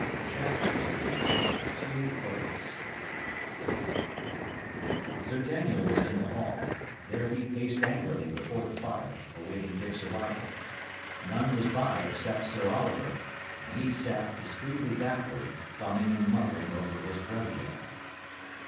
CHAPTER II THE TWO OATHS Sir Daniel was in the hall; there he paced angrily before the fire, awaiting Dick's arrival. None was by except Sir Oliver, and he sat discreetly backward, thumbing and muttering over his breviary.